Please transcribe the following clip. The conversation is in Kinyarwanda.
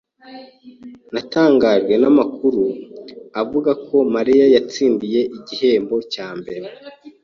Natangajwe namakuru avuga ko Mariya yatsindiye igihembo cya mbere.